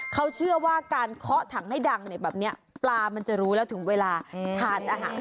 เขาเชื่อว่าการเคาะถังให้ดังเนี่ยแบบนี้ปลามันจะรู้แล้วถึงเวลาทานอาหาร